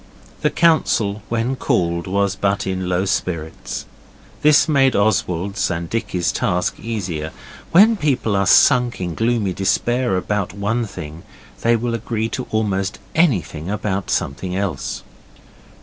The council, when called, was in but low spirits. This made Oswald's and Dicky's task easier. When people are sunk in gloomy despair about one thing, they will agree to almost anything about something else.